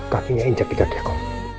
kakinya injak di kaki aku